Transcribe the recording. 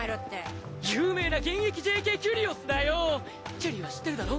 チェリーは知ってるだろ？